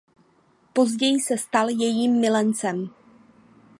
Později se stal jejím milencem.